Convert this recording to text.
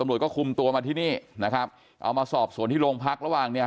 ตำรวจก็คุมตัวมาที่นี่นะครับเอามาสอบสวนที่โรงพักระหว่างเนี่ย